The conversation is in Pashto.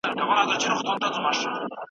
ژباړه روښانه ده.